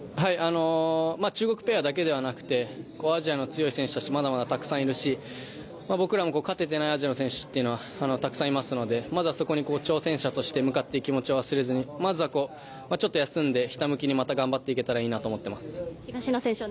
中国ペアだけではなくてアジアの強い選手たちまだまだたくさんいるし僕らも勝ててないアジアの選手というのはたくさんいますので、まずはそこに挑戦者として向かっていく気持ちは忘れずに、まずはちょっとやすんでひたむきにまた頑張っていけたらと思ってます。